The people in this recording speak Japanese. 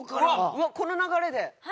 うわっこの流れで？